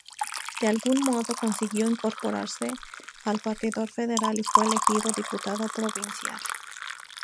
De algún modo consiguió incorporarse al Partido Federal, y fue elegido diputado provincial.